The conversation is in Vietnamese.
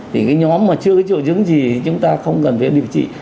thì cái nhóm mà chưa có chủ trương gì thì chúng ta không cần phải điều trị